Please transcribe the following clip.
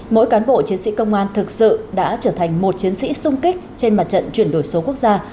mỗi cán bộ chiến sĩ công an thực sự đã trở thành một chiến sĩ sung kích trên mặt trận chuyển đổi số quốc gia